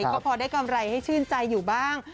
ก็พอได้กำไรให้ชื่นใจอยู่บ้าง